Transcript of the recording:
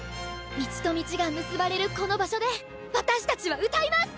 道と道が結ばれるこの場所で私たちは歌います！